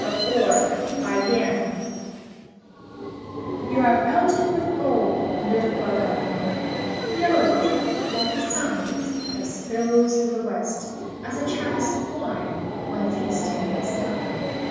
THE HOMING BEE You are belted with gold, little brother of mine, Yellow gold, like the sun That spills in the west, as a chalice of wine When feasting is done.